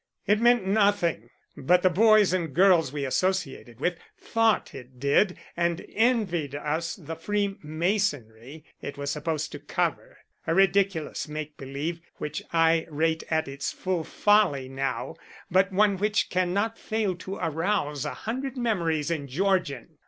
It meant nothing, but the boys and girls we associated with thought it did and envied us the free masonry it was supposed to cover. A ridiculous make believe which I rate at its full folly now, but one which cannot fail to arouse a hundred memories in Georgian.